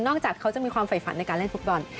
จากเขาจะมีความฝ่ายฝันในการเล่นฟุตบอล